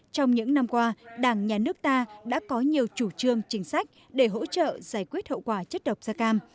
trong những năm qua đảng nhà nước ta đã có nhiều chủ trương chính sách để hỗ trợ giải quyết hậu quả chất độc da cam